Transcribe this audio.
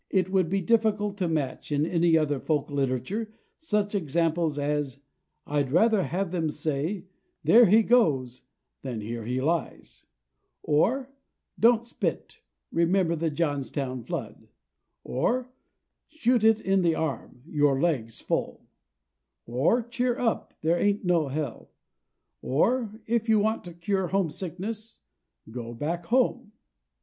It would be difficult to match, in any other folk literature, such examples as "I'd rather have them say 'There he goes' than 'Here he lies,'" or "Don't spit: remember the Johnstown flood," or "Shoot it in the arm; your leg's full," or "Cheer up; [Pg303] there ain't no hell," or "If you want to cure homesickness, go back home."